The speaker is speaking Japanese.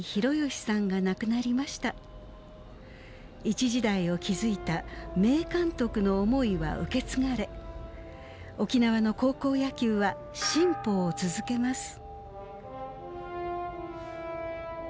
一時代を築いた名監督の思いは受け継がれ沖縄の高校野球は進歩を続けます。